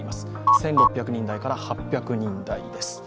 １６００人台から８００人台です。